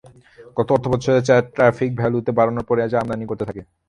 গত অর্থবছরে চায়ের ট্যারিফ ভ্যালু বাড়ানোর পরই চা আমদানি কমতে থাকে।